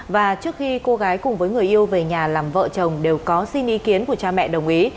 và trước khi cô gái cùng với người yêu về nhà làm vợ chồng đều có xin ý kiến của cha mẹ đồng ý